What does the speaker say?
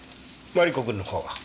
マリコ君の方は？